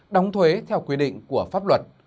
đóng thuế theo quy định của pháp luật